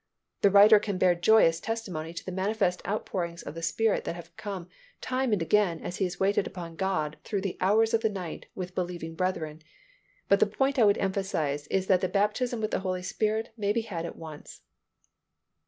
The writer can bear joyful testimony to the manifest outpourings of the Spirit that have come time and again as he has waited upon God through the hours of the night with believing brethren, but the point I would emphasize is that the baptism with the Holy Spirit may be had at once.